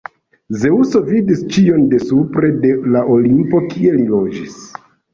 Zeŭso vidis ĉion de supre, de la Olimpo, kie li loĝis.